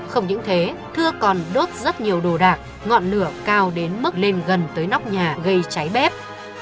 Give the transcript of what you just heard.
không những thế thưa còn đốt rất nhiều đồ đạc ngọn lửa cao đến mức lên gần tới nóc nhà gây cháy bép